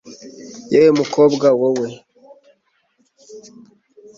yewe mukobwa wo we